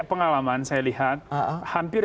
pengalaman saya lihat hampir